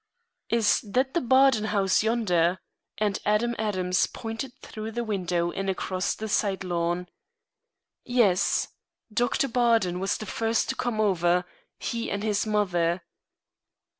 "Is that the Bardon house yonder?" And Adam Adams pointed through the window and across the side lawn. "Yes. Doctor Bardon was the first to come over he and his mother."